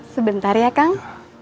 sebentar ya kang